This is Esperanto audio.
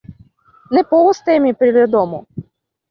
Ne povus temi pri la domo.